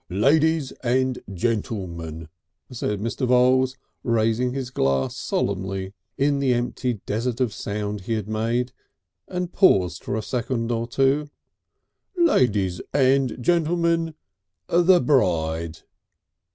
"Ladies and gentlemen," said Mr. Voules, raising his glass solemnly in the empty desert of sound he had made, and paused for a second or so. "Ladies and gentlemen, The Bride."